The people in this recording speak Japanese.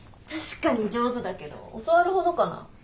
確かに上手だけど教わるほどかな？